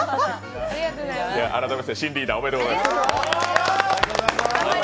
改めまして新リーダーおめでとうございます。